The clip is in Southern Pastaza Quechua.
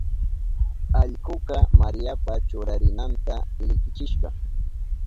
Allkuka Mariapa churarinanta likichishka.